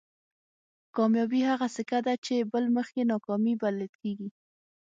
کامیابي هغه سکه ده چې بل مخ یې ناکامي بلل کېږي.